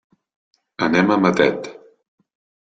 Anem a Matet.